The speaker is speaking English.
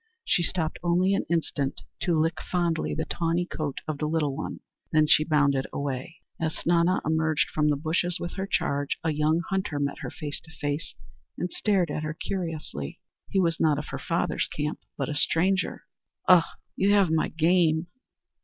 She stopped only an instant to lick fondly the tawny coat of the little one, then she bounded away. As Snana emerged from the bushes with her charge, a young hunter met her face to face, and stared at her curiously. He was not of her father's camp, but a stranger. "Ugh, you have my game."